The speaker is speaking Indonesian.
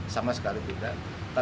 sama sekali tidak